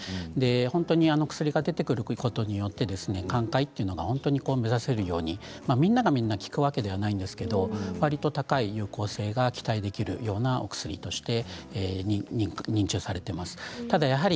本当に薬が出てくることによって寛解というのが目指せるようにみんながみんな効くわけではないんですけれどもわりと高い有効性が期待できるようなお薬として認知されています。